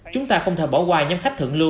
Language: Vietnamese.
chúng ta không thể bỏ qua nhóm khách thượng lưu